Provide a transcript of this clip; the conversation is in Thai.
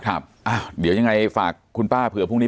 ครับอ้าวเดี๋ยวยังไงฝากคุณป้าเผื่อพรุ่งนี้